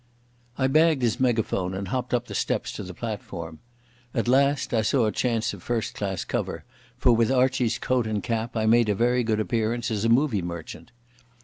I bagged his megaphone and hopped up the steps to the platform. At last I saw a chance of first class cover, for with Archie's coat and cap I made a very good appearance as a movie merchant.